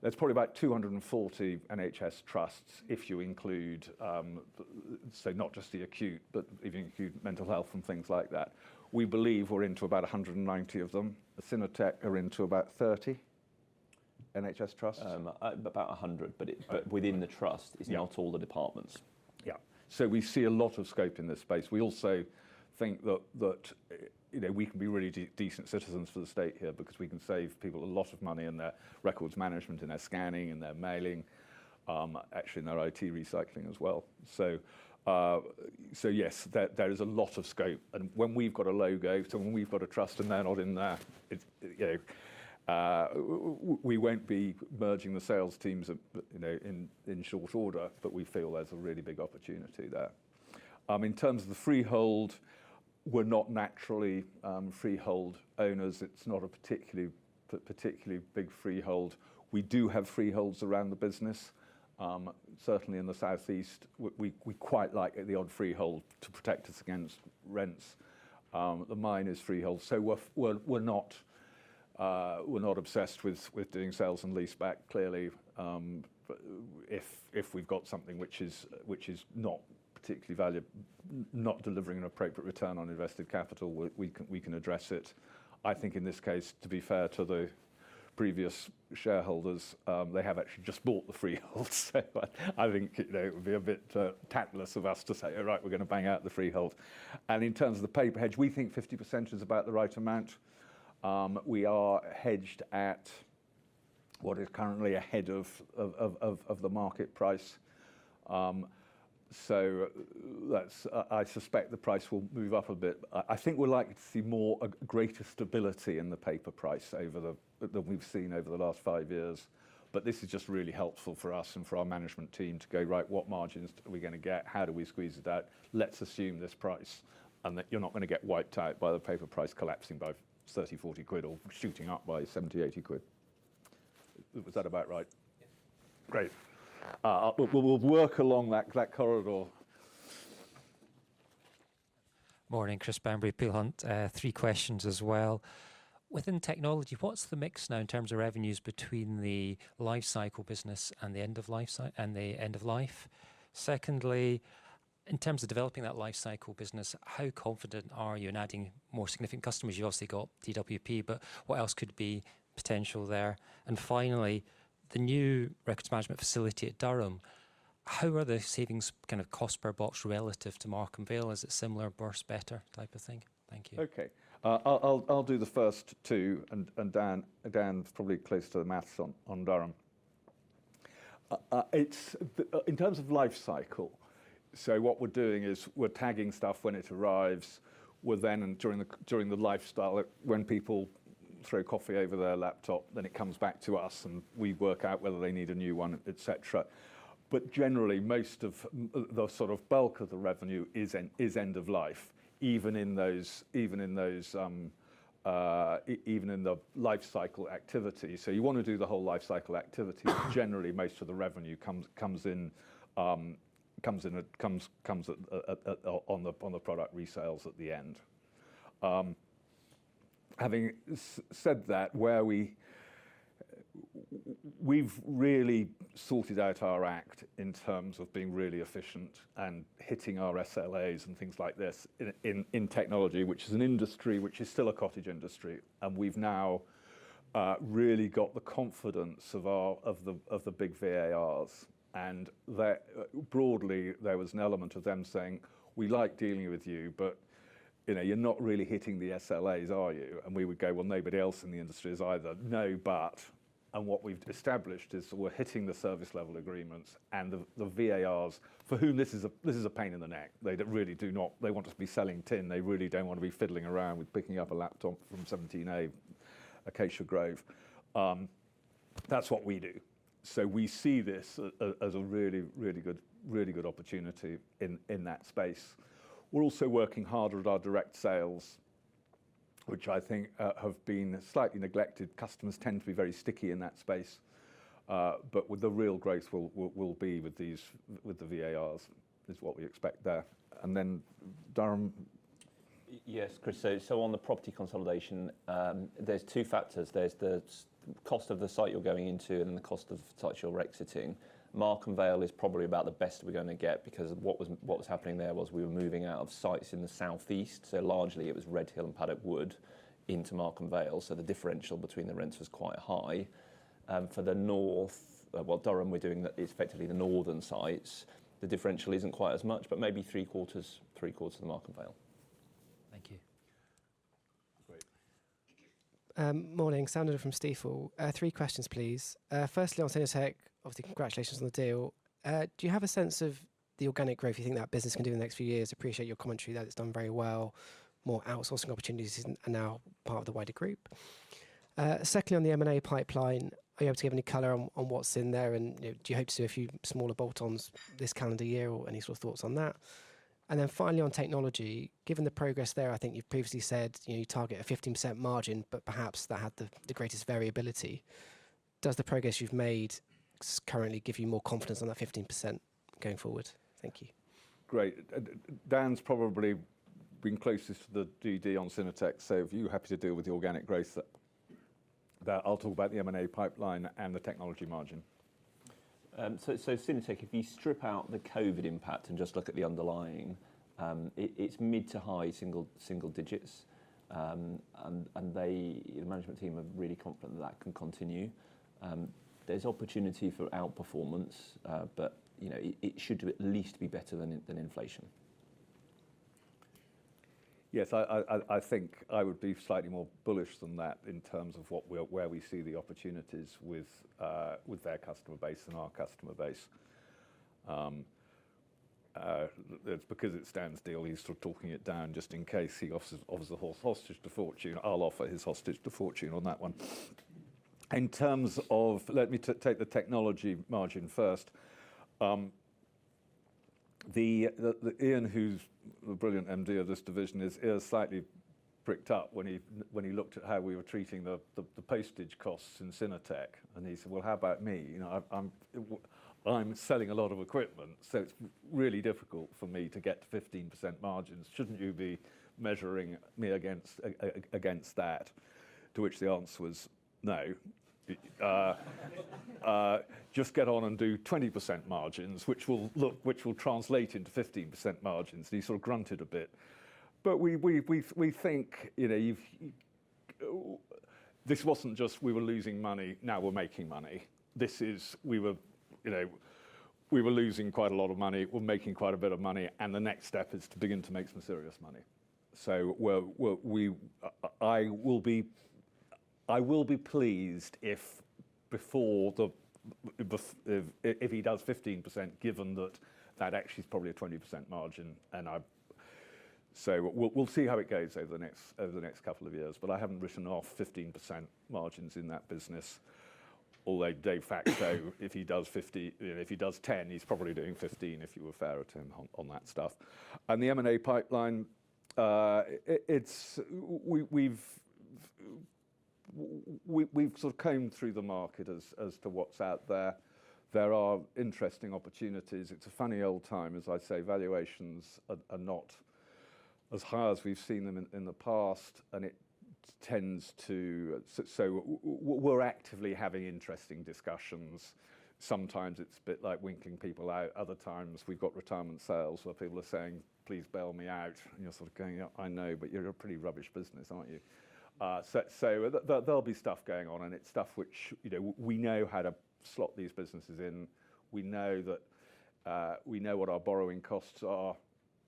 There's probably about 240 NHS trusts if you include, so not just the acute, but even acute mental health and things like that. We believe we're into about 190 of them. Synertec are into about 30 NHS trusts. About 100, but within the trust is not all the departments. Yeah. We see a lot of scope in this space. We also think that we can be really decent citizens for the state here because we can save people a lot of money in their records management, in their scanning, in their mailing, actually in their IT recycling as well. Yes, there is a lot of scope. When we have got a logo, so when we have got a trust and they are not in there, we will not be merging the sales teams in short order, but we feel there is a really big opportunity there. In terms of the freehold, we are not naturally freehold owners. It is not a particularly big freehold. We do have freeholds around the business. Certainly in the Southeast, we quite like the odd freehold to protect us against rents. The mine is freehold. We are not obsessed with doing sales and lease back. Clearly, if we've got something which is not particularly valuable, not delivering an appropriate return on invested capital, we can address it. I think in this case, to be fair to the previous shareholders, they have actually just bought the freehold. I think it would be a bit tactless of us to say, all right, we're going to bang out the freehold. In terms of the paper hedge, we think 50% is about the right amount. We are hedged at what is currently ahead of the market price. I suspect the price will move up a bit. I think we'd like to see more greater stability in the paper price than we've seen over the last five years. This is just really helpful for us and for our management team to go, right, what margins are we going to get? How do we squeeze it out? Let's assume this price and that you're not going to get wiped out by the paper price collapsing by 30-40 quid or shooting up by 70-80 quid. Was that about right? Yes. Great. We'll work along that corridor. Morning, Chris Bamberry, Peel Hunt. Three questions as well. Within technology, what's the mix now in terms of revenues between the life cycle business and the end of life cycle and the end of life? Secondly, in terms of developing that life cycle business, how confident are you in adding more significant customers? You've obviously got DWP, but what else could be potential there? Finally, the new records management facility at Durham, how are the savings kind of cost per box relative to Markham Vale? Is it similar, worse, better type of thing? Thank you. Okay. I'll do the first two, and Dan's probably closer to the maths on Durham. In terms of life cycle, what we're doing is we're tagging stuff when it arrives. We're then during the life cycle, when people throw coffee over their laptop, then it comes back to us and we work out whether they need a new one, etc. Generally, most of the sort of bulk of the revenue is end of life, even in the life cycle activity. You want to do the whole life cycle activity. Generally, most of the revenue comes in on the product resales at the end. Having said that, we've really sorted out our act in terms of being really efficient and hitting our SLAs and things like this in technology, which is an industry which is still a cottage industry. We have now really got the confidence of the big VARs. Broadly, there was an element of them saying, we like dealing with you, but you're not really hitting the SLAs, are you? We would go, well, nobody else in the industry is either. No, but. What we have established is we are hitting the service level agreements and the VARs, for whom this is a pain in the neck. They really do not, they want us to be selling tin. They really do not want to be fiddling around with picking up a laptop from 17A, Acacia Grove. That is what we do. We see this as a really, really good opportunity in that space. We are also working harder at our direct sales, which I think have been slightly neglected. Customers tend to be very sticky in that space. The real growth will be with the VARs is what we expect there. And then Durham. Yes, Chris. On the property consolidation, there are two factors. There is the cost of the site you are going into and the cost of the site you are exiting. Markham Vale is probably about the best we are going to get because what was happening there was we were moving out of sites in the Southeast. Largely, it was Redhill and Paddock Wood into Markham Vale. The differential between the rents was quite high. For the north, Durham, we are doing effectively the northern sites. The differential is not quite as much, but maybe three quarters, three quarters of Markham Vale. Thank you. Morning, Sandra from Stifel. Three questions, please. Firstly, on Synertec, obviously, congratulations on the deal. Do you have a sense of the organic growth you think that business can do in the next few years? Appreciate your commentary that it's done very well. More outsourcing opportunities are now part of the wider group. Secondly, on the M&A pipeline, are you able to give any color on what's in there? Do you hope to do a few smaller bolt-ons this calendar year or any sort of thoughts on that? Finally, on technology, given the progress there, I think you've previously said you target a 15% margin, but perhaps that had the greatest variability. Does the progress you've made currently give you more confidence on that 15% going forward? Thank you. Great. Dan's probably been closest to the DD on Synertec. If you're happy to deal with the organic growth, I'll talk about the M&A pipeline and the technology margin. Synertec, if you strip out the COVID impact and just look at the underlying, it's mid to high single digits. The management team are really confident that that can continue. There's opportunity for outperformance, but it should at least be better than inflation. Yes, I think I would be slightly more bullish than that in terms of where we see the opportunities with their customer base and our customer base. It's because it stands, Dan is sort of talking it down just in case he offers a hostage to fortune. I'll offer his hostage to fortune on that one. In terms of, let me take the technology margin first. Ian, who's the brilliant MD of this division, his ears slightly pricked up when he looked at how we were treating the postage costs in Synertec. And he said, how about me? I'm selling a lot of equipment, so it's really difficult for me to get to 15% margins. Shouldn't you be measuring me against that? To which the answer was, no. Just get on and do 20% margins, which will translate into 15% margins. He sort of grunted a bit. We think this was not just we were losing money, now we are making money. We were losing quite a lot of money, we are making quite a bit of money, and the next step is to begin to make some serious money. I will be pleased if he does 15%, given that that actually is probably a 20% margin. We will see how it goes over the next couple of years, but I have not written off 15% margins in that business. Although de facto, if he does 10, he is probably doing 15 if you were fair to him on that stuff. The M&A pipeline, we have sort of come through the market as to what is out there. There are interesting opportunities. It's a funny old time, as I say, valuations are not as high as we've seen them in the past, and it tends to, so we're actively having interesting discussions. Sometimes it's a bit like winking people out. Other times we've got retirement sales where people are saying, please bail me out. And you're sort of going, I know, but you're a pretty rubbish business, aren't you? There'll be stuff going on, and it's stuff which we know how to slot these businesses in. We know what our borrowing costs are,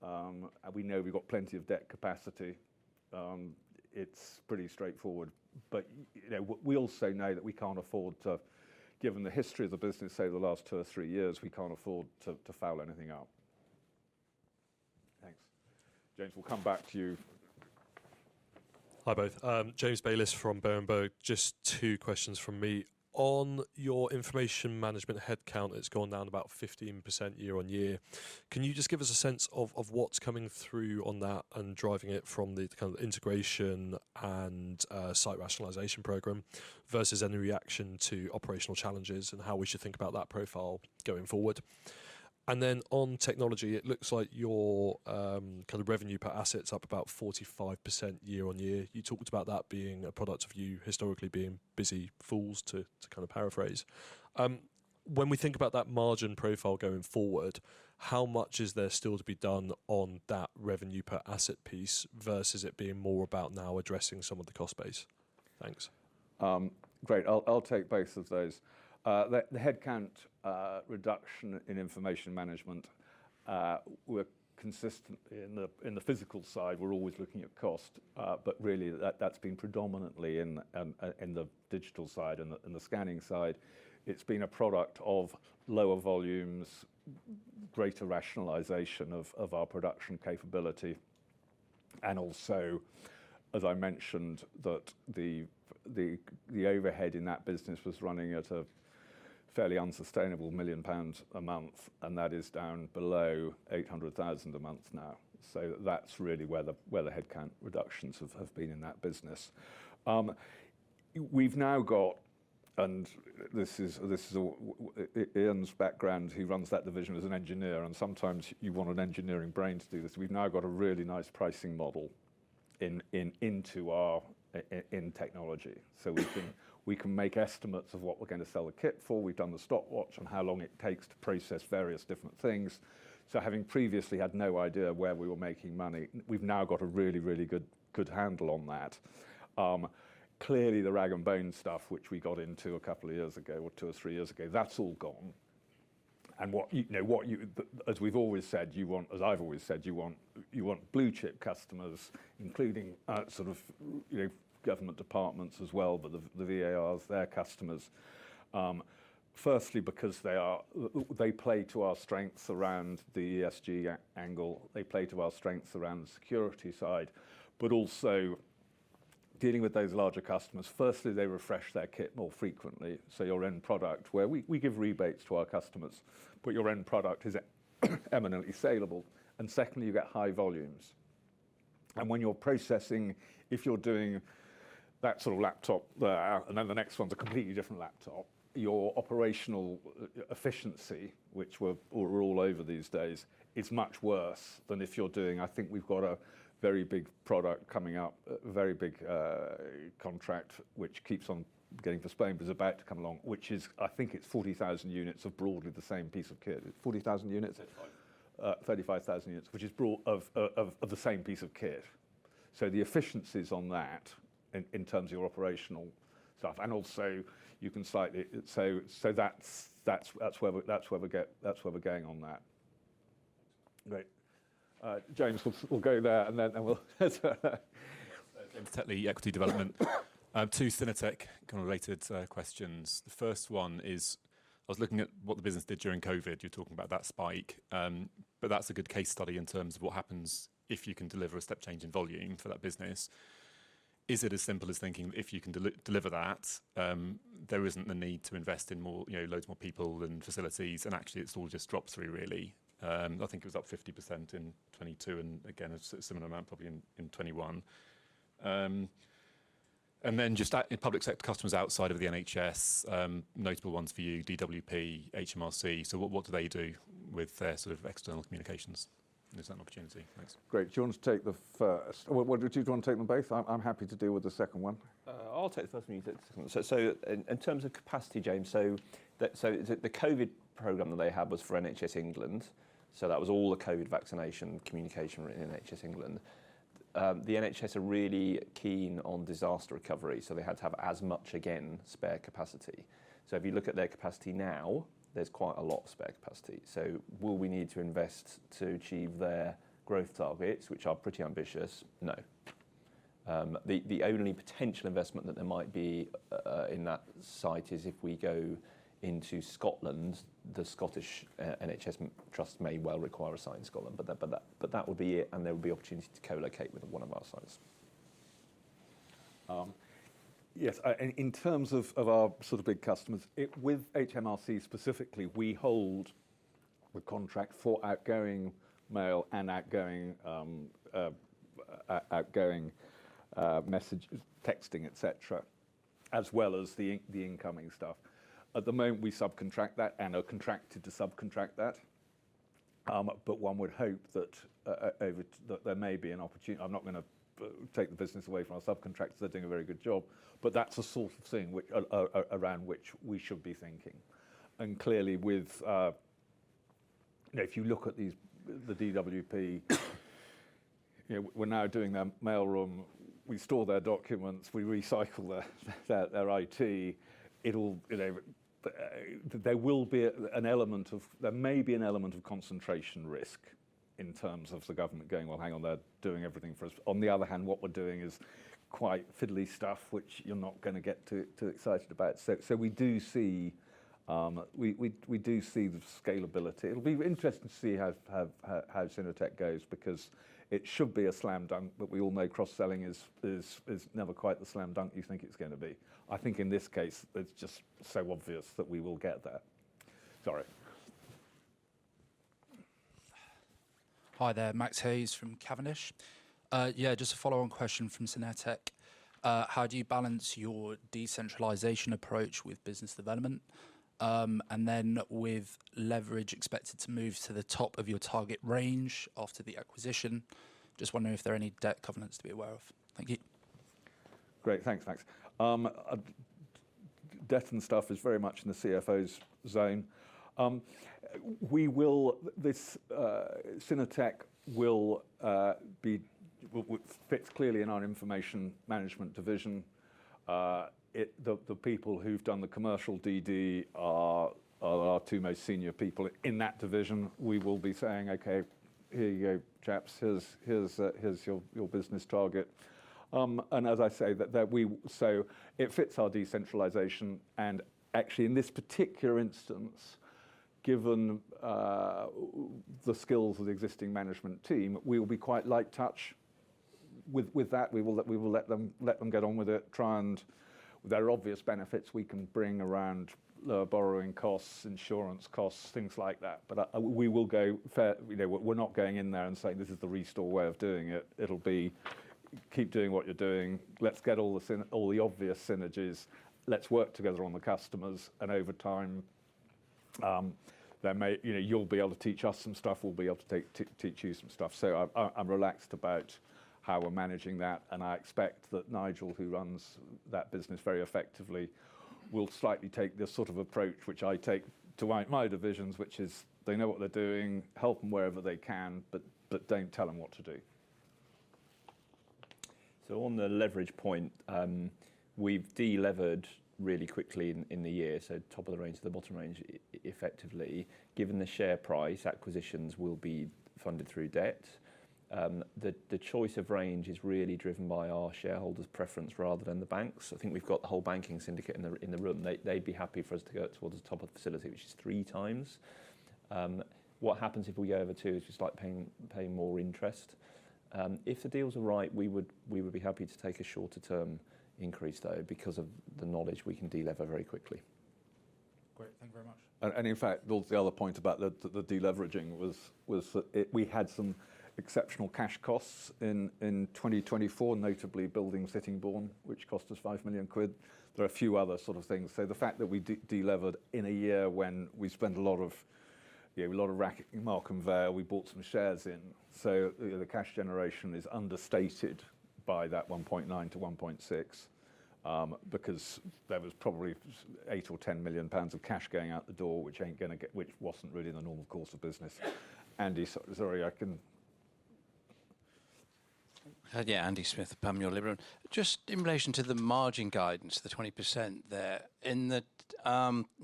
and we know we've got plenty of debt capacity. It's pretty straightforward. We also know that we can't afford to, given the history of the business, say the last two or three years, we can't afford to foul anything up. [Thanks.] James, we'll come back to you. Hi both. James Bayliss from Berenberg. Just two questions from me. On your information management headcount, it's gone down about 15% year on year. Can you just give us a sense of what's coming through on that and driving it from the kind of integration and site rationalization program versus any reaction to operational challenges and how we should think about that profile going forward? On technology, it looks like your kind of revenue per asset's up about 45% year on year. You talked about that being a product of you historically being busy fools, to kind of paraphrase. When we think about that margin profile going forward, how much is there still to be done on that revenue per asset piece versus it being more about now addressing some of the cost base? Thanks. Great. I'll take both of those. The headcount reduction in information management, we're consistently in the physical side, we're always looking at cost, but really that's been predominantly in the digital side and the scanning side. It's been a product of lower volumes, greater rationalization of our production capability. Also, as I mentioned, the overhead in that business was running at a fairly unsustainable 1 million pounds a month, and that is down below 800,000 a month now. That's really where the headcount reductions have been in that business. We've now got, and this is Ian's background, he runs that division as an engineer, and sometimes you want an engineering brain to do this. We've now got a really nice pricing model into our technology. We can make estimates of what we're going to sell the kit for. We've done the stopwatch on how long it takes to process various different things. Having previously had no idea where we were making money, we've now got a really, really good handle on that. Clearly, the rag and bone stuff, which we got into a couple of years ago or two or three years ago, that's all gone. As I've always said, you want blue chip customers, including sort of government departments as well, but the VARs, their customers. Firstly, because they play to our strengths around the ESG angle, they play to our strengths around the security side, but also dealing with those larger customers. Firstly, they refresh their kit more frequently. Your end product, where we give rebates to our customers, but your end product is eminently saleable. Secondly, you get high volumes. When you're processing, if you're doing that sort of laptop, and then the next one's a completely different laptop, your operational efficiency, which we're all over these days, is much worse than if you're doing, I think we've got a very big product coming up, a very big contract, which keeps on getting for Spain, but is about to come along, which is, I think it's 40,000 units of broadly the same piece of kit. 40,000 units, 35,000 units, which is of the same piece of kit. The efficiencies on that in terms of your operational stuff, and also you can slightly, that's where we're going on that. Great. James, we'll go there and then we'll. Certainly, equity development. Two Synertec kind of related questions. The first one is, I was looking at what the business did during COVID. You're talking about that spike, but that's a good case study in terms of what happens if you can deliver a step change in volume for that business. Is it as simple as thinking if you can deliver that, there isn't the need to invest in loads more people and facilities, and actually it's all just dropped through, really. I think it was up 50% in 2022 and again, a similar amount probably in 2021. Just public sector customers outside of the NHS, notable ones for you, DWP, HMRC. What do they do with their sort of external communications? There's an opportunity. Thanks. Great. Do you want to take the first? Do you want to take them both? I'm happy to deal with the second one. I'll take the first one. In terms of capacity, James, the COVID program that they had was for NHS England. That was all the COVID vaccination communication written in NHS England. The NHS are really keen on disaster recovery, so they had to have as much again, spare capacity. If you look at their capacity now, there's quite a lot of spare capacity. Will we need to invest to achieve their growth targets, which are pretty ambitious? No. The only potential investment that there might be in that site is if we go into Scotland, the Scottish NHS trust may well require a site in Scotland, but that would be it, and there would be opportunity to co-locate with one of our sites. Yes. In terms of our sort of big customers, with HMRC specifically, we hold the contract for outgoing mail and outgoing messages, texting, etc., as well as the incoming stuff. At the moment, we subcontract that and are contracted to subcontract that. One would hope that there may be an opportunity. I'm not going to take the business away from our subcontractors. They're doing a very good job, but that's a sort of thing around which we should be thinking. Clearly, if you look at the DWP, we're now doing their mail room. We store their documents. We recycle their IT. There will be an element of, there may be an element of concentration risk in terms of the government going, you know, hang on, they're doing everything for us. On the other hand, what we're doing is quite fiddly stuff, which you're not going to get too excited about. We do see the scalability. It'll be interesting to see how Synertec goes because it should be a slam dunk, but we all know cross-selling is never quite the slam dunk you think it's going to be. I think in this case, it's just so obvious that we will get there. Sorry. Hi there, Max Hayes from Cavendish. Yeah, just a follow-on question from Synertec. How do you balance your decentralization approach with business development and then with leverage expected to move to the top of your target range after the acquisition? Just wondering if there are any debt covenants to be aware of. Thank you. Great. Thanks, Max. Debt and stuff is very much in the CFO's zone. Synertec will fit clearly in our information management division. The people who've done the commercial DD are our two most senior people in that division. We will be saying, okay, here you go, chaps, here's your business target. As I say, it fits our decentralization. Actually, in this particular instance, given the skills of the existing management team, we will be quite light touch with that. We will let them get on with it. There are obvious benefits we can bring around lower borrowing costs, insurance costs, things like that. We will go, we're not going in there and saying, this is the Restore way of doing it. It'll be, keep doing what you're doing. Let's get all the obvious synergies. Let's work together on the customers. Over time, you'll be able to teach us some stuff. We'll be able to teach you some stuff. I'm relaxed about how we're managing that. I expect that Nigel, who runs that business very effectively, will slightly take this sort of approach, which I take to my divisions, which is they know what they're doing, help them wherever they can, but don't tell them what to do. On the leverage point, we've delevered really quickly in the year. Top of the range to the bottom range, effectively. Given the share price, acquisitions will be funded through debt. The choice of range is really driven by our shareholders' preference rather than the bank's. I think we've got the whole banking syndicate in the room. They'd be happy for us to go towards the top of the facility, which is three times. What happens if we go over two is just like paying more interest. If the deals are right, we would be happy to take a shorter term increase, though, because of the knowledge we can delever very quickly. Great. Thank you very much. In fact, the other point about the deleveraging was that we had some exceptional cash costs in 2024, notably building Sittingbourne, which cost us 5 million quid. There are a few other sort of things. The fact that we delevered in a year when we spent a lot of racketing Markham Vale and VAR, we bought some shares in. The cash generation is understated by that 1.9 to 1.6 because there was probably 8-10 million pounds of cash going out the door, which was not really the normal course of business. Andy, sorry, I can. Yeah, Andy Smith, Palm New York Library. Just in relation to the margin guidance, the 20% there, now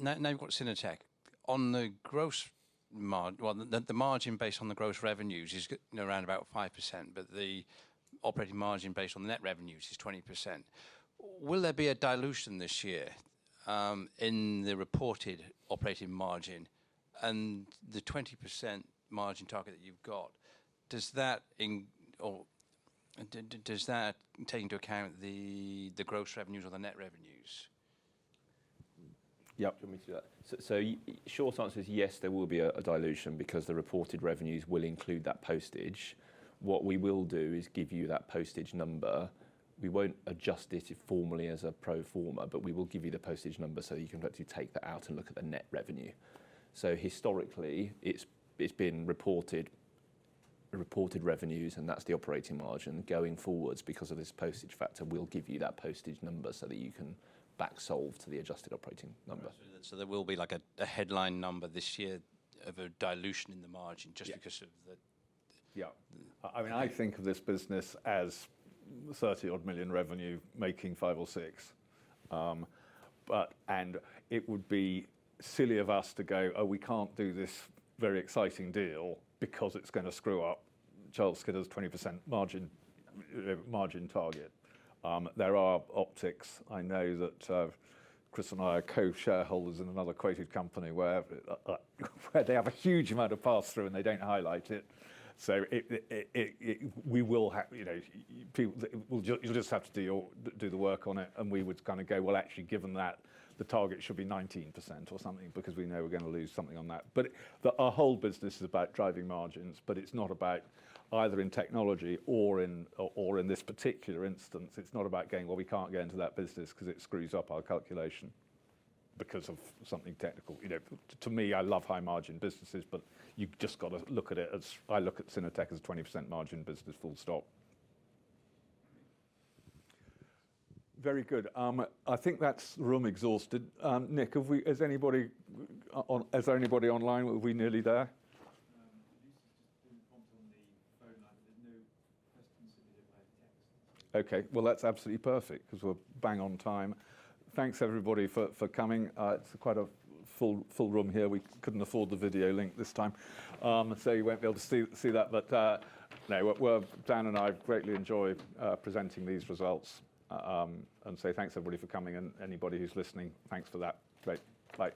you've got Synertec. On the gross margin, the margin based on the gross revenues is around about 5%, but the operating margin based on the net revenues is 20%. Will there be a dilution this year in the reported operating margin and the 20% margin target that you've got? Does that take into account the gross revenues or the net revenues? Yep, you'll meet you that. Short answer is yes, there will be a dilution because the reported revenues will include that postage. What we will do is give you that postage number. We won't adjust it formally as a pro forma, but we will give you the postage number so you can actually take that out and look at the net revenue. Historically, it's been reported revenues, and that's the operating margin. Going forwards, because of this postage factor, we'll give you that postage number so that you can back solve to the adjusted operating number. There will be like a headline number this year of a dilution in the margin just because of the. Yeah. I mean, I think of this business as 30-odd million revenue making five or six. It would be silly of us to go, oh, we can't do this very exciting deal because it's going to screw up Charles Skinner's 20% margin target. There are optics. I know that Chris and I are co-shareholders in another quoted company where they have a huge amount of pass-through and they don't highlight it. We will have people, you'll just have to do the work on it. We would kind of go, well, actually, given that, the target should be 19% or something because we know we're going to lose something on that. Our whole business is about driving margins, but it's not about either in technology or in this particular instance, it's not about going, well, we can't go into that business because it screws up our calculation because of something technical. To me, I love high margin businesses, but you've just got to look at it as I look at Synertec as a 20% margin business, full stop. Very good. I think that's room exhausted. Nick, is anybody online? Are we nearly there? This is just doing a prompt on the phone line. There are no questions submitted by text. Okay. That is absolutely perfect because we are bang on time. Thanks, everybody, for coming. It is quite a full room here. We could not afford the video link this time, so you will not be able to see that. Dan and I greatly enjoy presenting these results and say thanks, everybody, for coming. Anybody who is listening, thanks for that. Great. Bye.